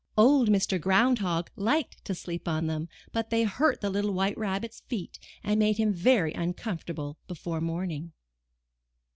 Old Mr. Ground Hog liked to sleep on them, but they hurt the little White Rabbit's feet and made him very uncomfortable before morning.